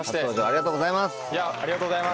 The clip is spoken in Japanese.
ありがとうございます。